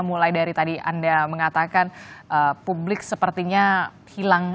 mulai dari tadi anda mengatakan publik sepertinya hilang